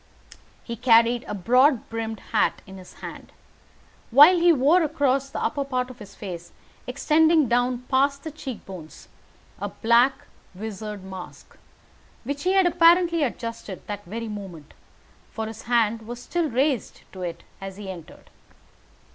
He carried a broad brimmed hat in his hand, while he wore across the upper part of his face, extending down past the cheek bones, a black visard mask, which he had apparently adjusted that very moment, for his hand was still raised to it as he entered.